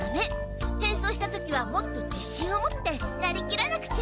変装した時はもっとじしんを持ってなりきらなくちゃ！